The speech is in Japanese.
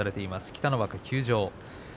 北の若、休場です。